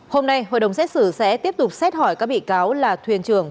hôm nay hội đồng xét xử sẽ tiếp tục xét hỏi các bị cáo là thuyền trưởng